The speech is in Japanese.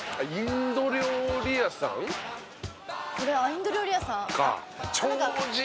インド料理屋さん。